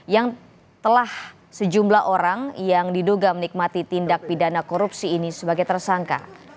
yang telah sejumlah orang yang diduga menikmati tindak pidana korupsi ini sebagai tersangka